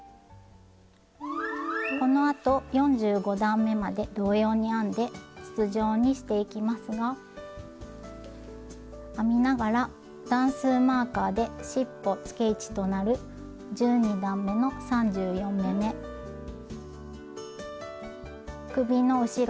このあと４５段めまで同様に編んで筒状にしていきますが編みながら段数マーカーでしっぽつけ位置となる１２段めの３４目め首の後ろ